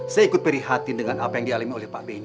saya ikut prihatin dengan apa yang dialami oleh pak benn